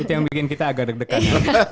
itu yang bikin kita agak deg degan